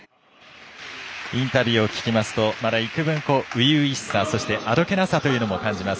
インタビューを聞きますとまだいくぶん初々しさ、そしてあどけなさというのも感じます。